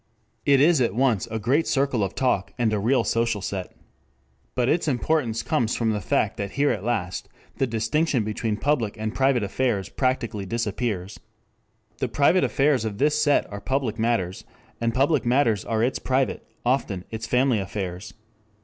It is at once a great circle of talk and a real social set. But its importance comes from the fact that here at last the distinction between public and private affairs practically disappears. The private affairs of this set are public matters, and public matters are its private, often its family affairs.